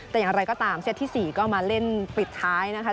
แต่อย่างไรก็ตามเซตที่๔ก็มาเล่นปิดท้ายนะคะ